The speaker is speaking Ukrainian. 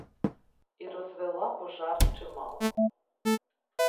І розвела пожар чимал.